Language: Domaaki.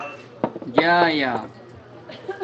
جݳیݳ